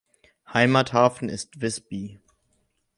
Heimathafen ist Visby.